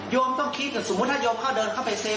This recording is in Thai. โยมต้องคิดถึงสมมุติถ้าโยมเข้าเดินเข้าไป๗๑๑